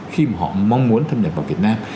khi mà họ mong muốn thâm nhập vào việt nam